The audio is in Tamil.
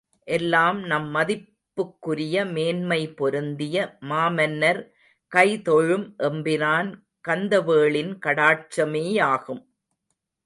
எல்லாம் நம் மதிப்புக்குரிய மேன்மை பொருந்திய மாமன்னர் கைதொழும் எம்பிரான் கந்தவேளின் கடாட்சமேயாகும்.